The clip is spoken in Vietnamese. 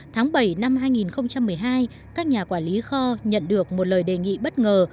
tháng bảy năm hai nghìn một mươi hai các nhà quản lý kho nhận được một lời đề nghị bất ngờ